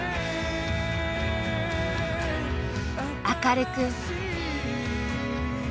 明るく。